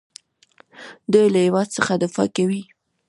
دوی له هیواد څخه دفاع کوي.